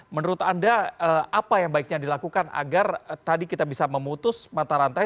menurut anda apa yang baiknya dilakukan agar tadi kita bisa memutus mata rantai